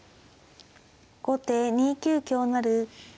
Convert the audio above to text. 後手２九香成。